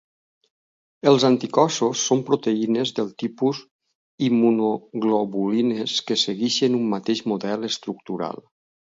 Els anticossos són proteïnes del tipus immunoglobulines que segueixen un mateix model estructural.